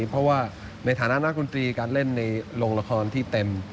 เพราะว่าในฐานะนักดนตรีการเล่นในโรงละครที่เต็ม